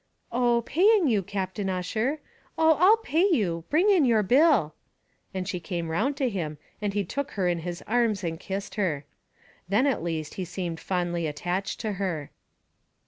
"Oh, paying you, Captain Ussher; oh, I'll pay you, bring in your bill;" and she came round to him, and he took her in his arms and kissed her. Then at least he seemed fondly attached to her.